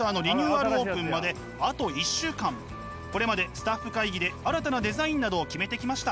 これまでスタッフ会議で新たなデザインなどを決めてきました。